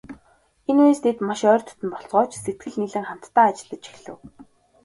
Энэ үеэс тэд маш ойр дотно болцгоож, сэтгэл нийлэн хамтдаа ажиллаж эхлэв.